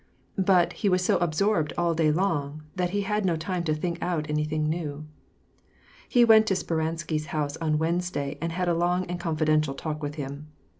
But he was so absorbed all day long, that he had no time to think out anything new. . He went to Speransky's house on Wednesday, and had a long and confidential talk with him.